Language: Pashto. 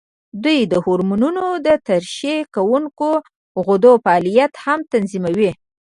دوی د هورمونونو د ترشح کوونکو غدو فعالیت هم تنظیموي.